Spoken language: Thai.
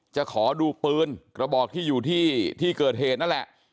จะขอดูปืนกระบอกที่อยู่ที่เกิดเหตุนั่นแหละ